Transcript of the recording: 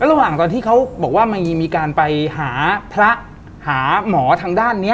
ระหว่างตอนที่เขาบอกว่ามันมีการไปหาพระหาหมอทางด้านนี้